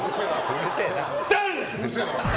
うるせえな。